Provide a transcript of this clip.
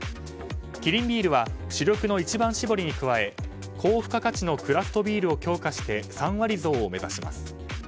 キリンビールは主力の一番絞りに加え高付加価値のクラフトビールを強化して３割増を目指します。